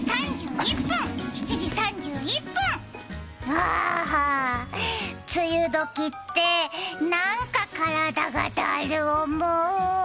あーあ、梅雨時ってなんか体がだる重。